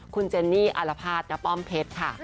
คุณเจนนี่อารภาษณป้อมเพชรค่ะ